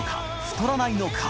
太らないのか？